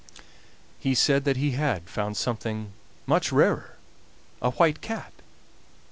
He said that he had found something much rarer a white cat!